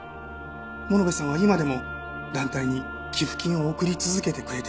物部さんは今でも団体に寄付金を送り続けてくれていると。